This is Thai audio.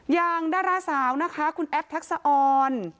อย่างด้าร่าสาวนะคะคุณแอฟแท็กซาอล